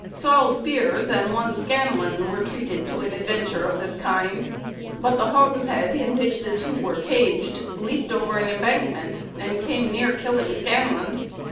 Sol. Spears and one Scanlon were treated to an adventure of this kind; but the hogshead in which the two were caged "leaped over an embankment, and came near killing Scanlon."